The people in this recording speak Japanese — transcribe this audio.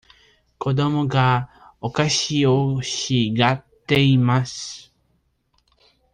子供がお菓子を欲しがっています。